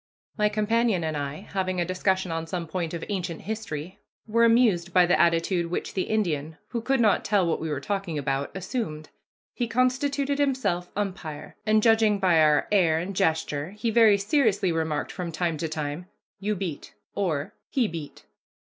My companion and I, having a discussion on some point of ancient history, were amused by the attitude which the Indian, who could not tell what we were talking about, assumed. He constituted himself umpire, and, judging by our air and gesture, he very seriously remarked from time to time, "You beat," or "He beat."